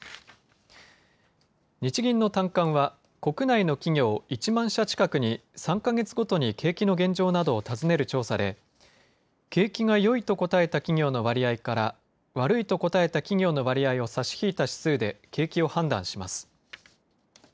日銀の短観は国内の企業１万社近くに３か月ごとに景気の現状などを尋ねる調査で景気がよいと答えた企業の割合から悪いと答えた企業の割合を差し引いた指数で景気を判断します。